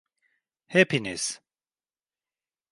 Hepiniz.